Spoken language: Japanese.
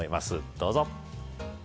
どうぞ。